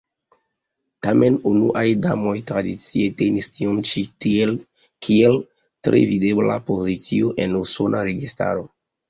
Tamen, unuaj damoj tradicie tenis tion ĉi kiel tre videbla pozicio en Usona registaro.